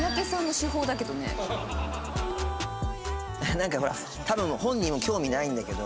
なんかほら多分本人も興味ないんだけど。